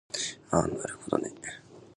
あなるほどね